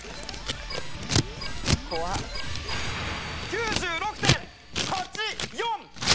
怖っ。９６．８４３！